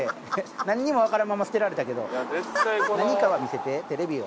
なんにもわからんまま捨てられたけど何かは見せてテレビよ。